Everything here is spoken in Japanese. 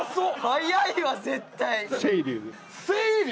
速いわ絶対！